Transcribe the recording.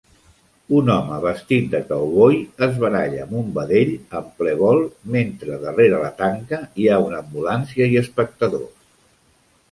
Un home vestit de cowboy es baralla amb un vedell en ple vol, mentre darrera la tanca hi ha una ambulància i espectadors